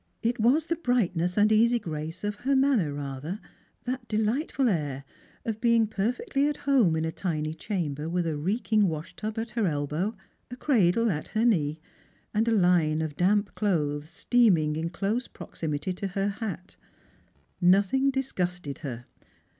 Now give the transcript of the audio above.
It was the brightness and easy grace of her manner rather, that delightful air of being perfectly at home in a tiny chamber with a reeking washtub at her elbow, a cradle at her knee, and a line of damp clothes steaming in close prosdmity to her hat. Nothing disgusted her.